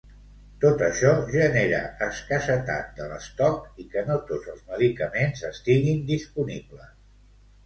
Tot això genera escassetat de l'estoc i que no tots els medicaments estiguin disponibles.